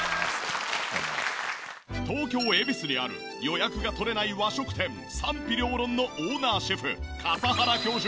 東京恵比寿にある予約が取れない和食店賛否両論のオーナーシェフ笠原教授。